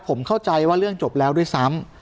ผมเข้าใจว่าเรื่องจบแล้วด้วยซ้ำ